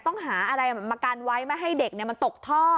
ต้องหาอะไรมากันไว้ไม่ให้เด็กมันตกท่อ